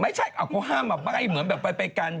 ไม่ใช่เขาห้ามมาใบ้เหมือนแบบไปกัน